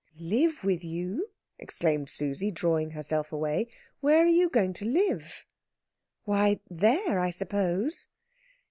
"Live with you?" exclaimed Susie, drawing herself away. "Where are you going to live?" "Why, there, I suppose."